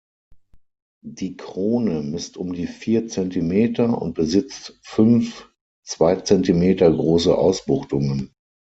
Die Krone misst um die vier Zentimeter und besitzt fünf zwei Zentimeter große Ausbuchtungen.